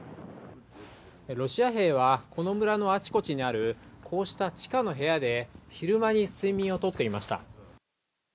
ロシア兵はこの村のあちこちにあるこうした地下の部屋で昼間に睡眠を取っていました。